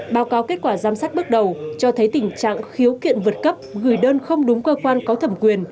báo cáo kết quả giám sát bước đầu cho thấy tình trạng khiếu kiện vượt cấp gửi đơn không đúng cơ quan có thẩm quyền